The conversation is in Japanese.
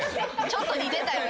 ちょっと似てたよ